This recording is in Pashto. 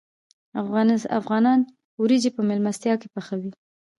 افغانان وریجې په میلمستیا کې پخوي.